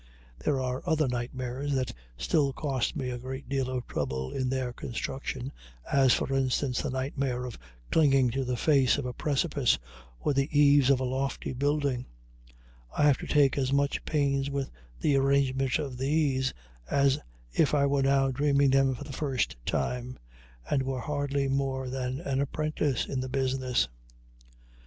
There are other nightmares that still cost me a great deal of trouble in their construction, as, for instance, the nightmare of clinging to the face of a precipice or the eaves of a lofty building; I have to take as much pains with the arrangement of these as if I were now dreaming them for the first time and were hardly more than an apprentice in the business.